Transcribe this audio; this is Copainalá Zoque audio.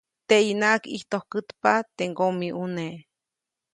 Teʼyinaʼajk ʼijtojkätpa teʼ ŋgomiʼuneʼ.